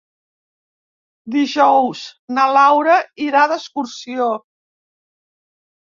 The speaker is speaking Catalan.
Dijous na Laura irà d'excursió.